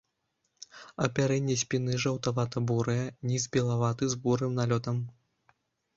Апярэнне спіны жаўтавата-бурае, ніз белаваты з бурым налётам.